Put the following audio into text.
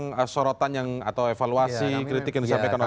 tentang sorotan yang atau evaluasi kritik yang disampaikan oleh